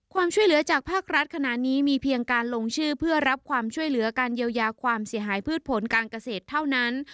ความช่วยเหลือจากภาครัฐขณะนี้มีเพียงการลงชื่อเพื่อรับความช่วยเหลือการเยียวยาความเสียหายพืชผลการเกษตรเท่านั้น